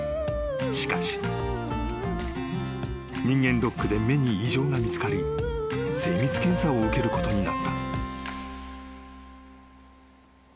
［しかし］［人間ドックで目に異常が見つかり精密検査を受けることになった］